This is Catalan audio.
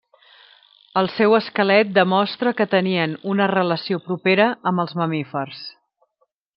El seu esquelet demostra que tenien una relació propera amb els mamífers.